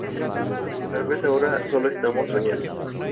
Tal vez ahora sólo estamos soñando".